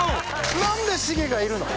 何でシゲがいるの？